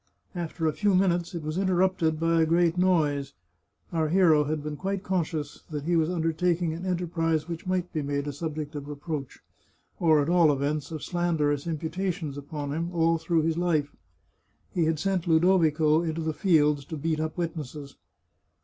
After a few minutes it was interrupted by a great noise. Our hero had been quite conscious that he was undertaking an enterprise which might be made a subject of reproach, or at all events of slanderous imputations upon him, all through his life He had sent Ludovico into the fields to beat up witnesses.